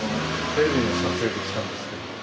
テレビの撮影で来たんですけど。